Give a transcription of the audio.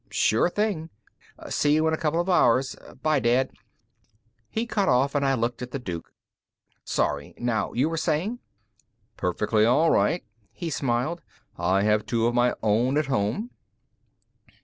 "Sure thing. See you in a couple of hours. Bye, Dad." He cut off, and I looked at the Duke. "Sorry. Now, you were saying?" "Perfectly all right." He smiled. "I have two of my own at home.